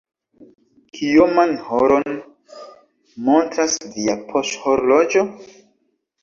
Kioman horon montras via poŝhorloĝo?